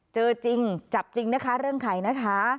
เจอจริงจับจริงนะคะเรื่องไข่นะคะ